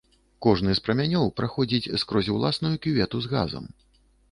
Кожны з прамянёў праходзіць скрозь уласную кювету з газам.